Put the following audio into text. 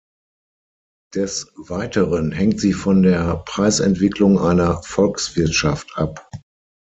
Des Weiteren hängt sie von der Preisentwicklung einer Volkswirtschaft ab.